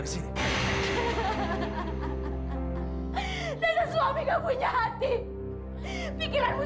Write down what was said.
pikiranmu sudah keimpin datang